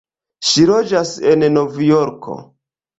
Ŝi loĝas en Novjorko.